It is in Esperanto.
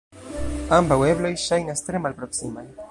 Ambaŭ ebloj ŝajnas tre malproksimaj.